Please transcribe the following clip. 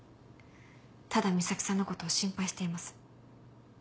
ただ岬さんのことを心配しています。